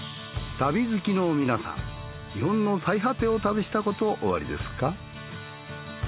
旅好きの皆さん日本の最果てを旅したことおありですか？